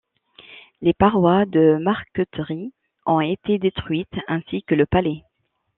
Les parois de marqueterie ont été détruites ainsi que le palais.